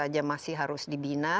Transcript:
ada juga yang tidak bisa dikembangkan